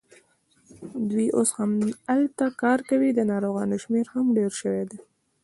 دوی اوس هماغلته کار کوي، د ناروغانو شمېر هم ډېر شوی دی.